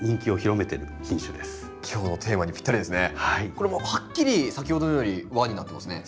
これはもうはっきり先ほどのより輪になってますね。